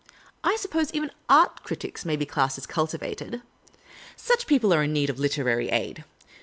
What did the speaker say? I suppose even art critics may be classed as cultivated. Such people are sure to need literary aid.